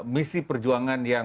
misi perjuangan yang